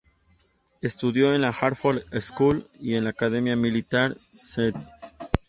Estudió en la Hartford School y en la Academia Militar St.